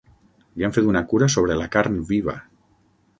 Li han fet una cura sobre la carn viva.